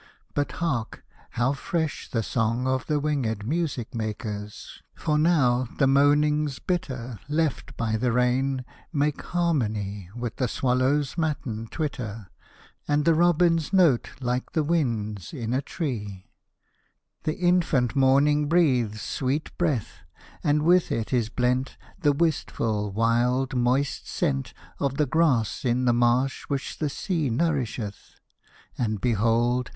But hark, how fresh the song of the winged music makers! For now the moanings bitter, Left by the rain, make harmony With the swallow's matin twitter, And the robin's note, like the wind's in a tree: The infant morning breathes sweet breath, And with it is blent The wistful, wild, moist scent Of the grass in the marsh which the sea nourisheth: And behold!